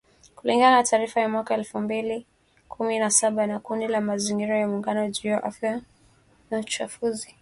Kulingana na taarifa ya mwaka wa elfu mbili kumi na saba ya kundi la kimazingira la Muungano juu ya Afya na Uchafuzi.